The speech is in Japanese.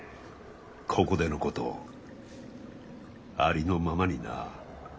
ここでのことをありのままにな。